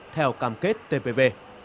theo cam kết tpp